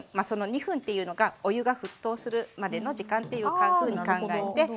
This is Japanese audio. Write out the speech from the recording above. その２分っていうのがお湯が沸騰するまでの時間というふうに考えて。